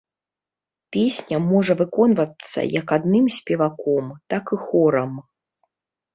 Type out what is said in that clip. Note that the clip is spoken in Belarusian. Песня можа выконвацца як адным спеваком, так і хорам.